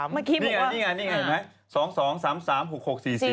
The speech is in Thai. เมื่อกี้บอกว่านี่ไงนี่ไงนี่ไง